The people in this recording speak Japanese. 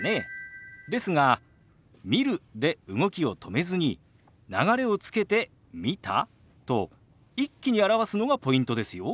ですが「見る」で動きを止めずに流れをつけて「見た？」と一気に表すのがポイントですよ。